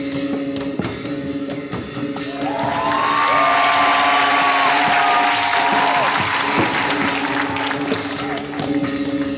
สวัสดีสวัสดี